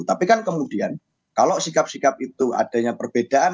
tapi kan kemudian kalau sikap sikap itu adanya perbedaan